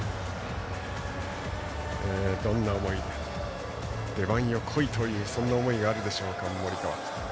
どんな思いか、出番よ来いというそんな思いがあるでしょうか森川。